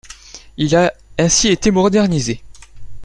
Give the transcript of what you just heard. Il a ainsi été modernisé.